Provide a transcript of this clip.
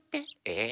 え？